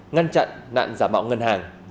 ngăn chặn nạn giả mạo ngân hàng